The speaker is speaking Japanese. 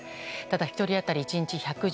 ただ、１人当たり１日１１３ｇ。